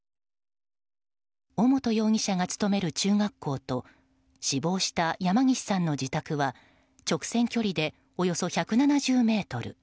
尾本容疑者が勤める中学校と死亡した山岸さんの自宅は直線距離でおよそ１７０ｍ。